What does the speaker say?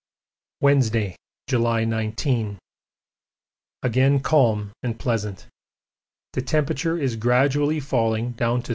Wednesday, July 19. Again calm and pleasant. The temperature is gradually falling down to 35°.